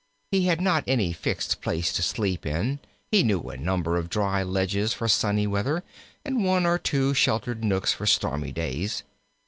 He had not any fixed place to sleep in; he knew a number of dry ledges for sunny weather, and one or two sheltered nooks for stormy days.